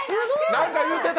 何か言うてる！